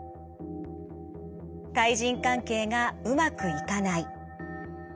対人関係がうまくいかない。